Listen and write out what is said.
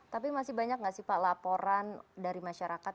tapi masih banyak nggak sih pak laporan dari masyarakat